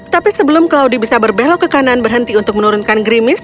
tapi sebelum claudie bisa berbelok ke kanan berhenti untuk menurunkan grimis